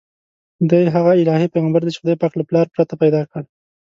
دی هغه الهي پیغمبر دی چې خدای پاک له پلار پرته پیدا کړ.